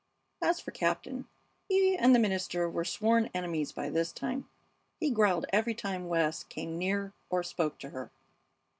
As for Captain, he and the minister were sworn enemies by this time. He growled every time West came near or spoke to her.